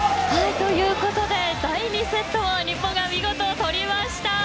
ということで第２セットも日本が見事取りました。